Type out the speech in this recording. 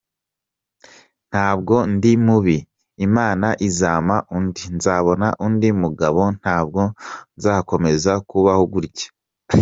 Ntabwo ndi mubi Imana izampa undi, nzabona undi mugabo ntabwo nzakomeza kubaho gutya.